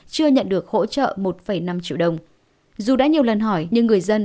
chưa nhận được hỗ trợ một năm triệu đồng dù đã nhiều lần hỏi nhưng người dân